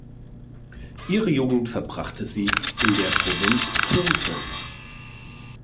Ihre Jugend verbrachte sie in der Provinz Posen.